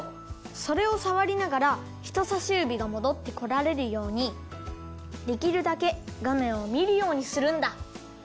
それをさわりながらひとさしゆびがもどってこられるようにできるだけがめんをみるようにするんだ。